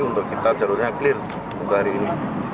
untuk kita jalurnya clear untuk hari ini